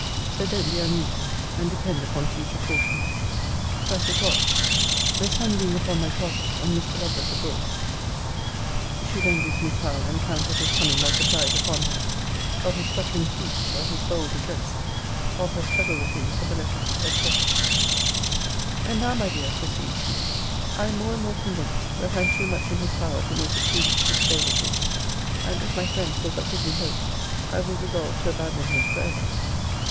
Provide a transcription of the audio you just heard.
So don't be uneasy. And depend upon future caution. Thus it was. The sun being upon my closet, and Mr. Lovelace abroad She then gives Miss Howe an account of his coming by surprise upon her: of his fluttering speech: of his bold address: of her struggle with him for the letter, &c. And now, my dear, proceeds she, I am more and more convinced, that I am too much in his power to make it prudent to stay with him. And if my friends will but give me hope, I will resolve to abandon him for ever.